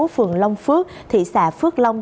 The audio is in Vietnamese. phường long phước thị xã phước long